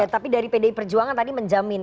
tapi dari pdi perjuangan tadi menjamin